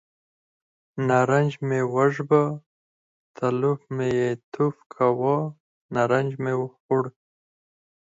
نارنج مې وژبه، تلوف مې یې توف کاوه، نارنج مې خوړ.